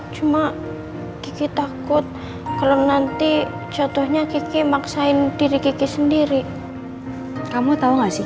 cuma kiki takut kalau nanti jatuhnya kiki maksain diri kiki sendiri kamu tahu nggak sih